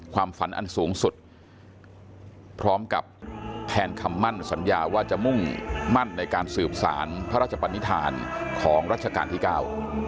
ความฝันอันสูงสุดพร้อมกับแทนคำมั่นสัญญาว่าจะมุ่งมั่นในการสืบสารพระราชปนิษฐานของรัชกาลที่เก้า